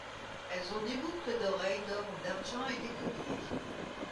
Elles ont des boucles d'oreilles d'or ou d'argent et des colliers.